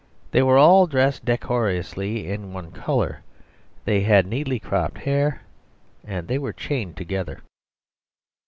They were all dressed decorously in one colour; they had neatly cropped hair; and they were chained together.